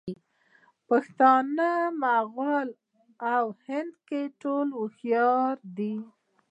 پښتانه، مغل او هندکي ټول هوښیار دي.